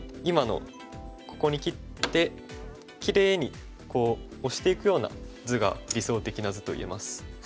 今のここに切ってきれいにこうオシていくような図が理想的な図と言えます。